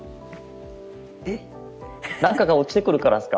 え何かが落ちてくるからですか？